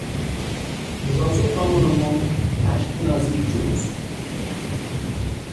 It is also common among Ashkenazi Jews.